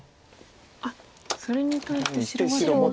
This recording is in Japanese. それに対して白は。